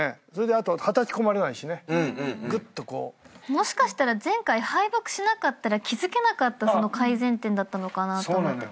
もしかしたら前回敗北しなかったら気付けなかった改善点だったのかなと思って。